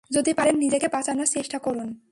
যদি পারেন, নিজেকে বাঁচানোর চেষ্টা করুন।